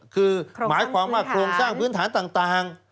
คือหมายความว่าโครงสร้างพื้นฐานต่าง